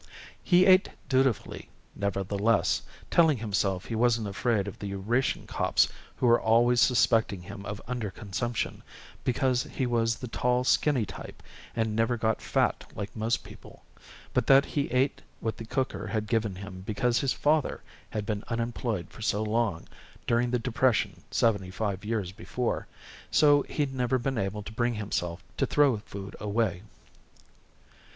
He ate dutifully nevertheless, telling himself he wasn't afraid of the ration cops who were always suspecting him of underconsumption because he was the tall skinny type and never got fat like most people, but that he ate what the cooker had given him because his father had been unemployed for a long time during the depression seventy five years before, so he'd never been able to bring himself to throw food away.